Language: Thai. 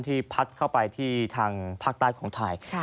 พัดเข้าไปที่ทางภาคใต้ของไทย